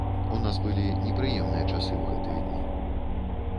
У нас былі непрыемныя часы ў гэтыя дні.